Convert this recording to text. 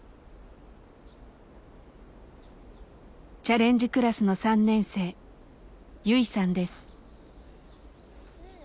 チャレンジクラスの３年生ユイさんです。